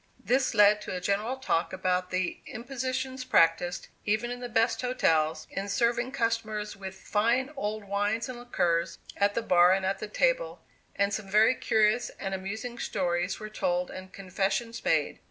This led to a general talk about the impositions practised, even in the best hotels, in serving customers with "fine old wines and liquors" at the bar and at the table, and some very curious and amusing stories were told and confessions made.